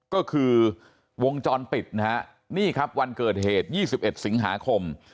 ก็คือวงจรปิดนะฮะนี่ครับวันเกิดเหตุ๒๑สิงหาคม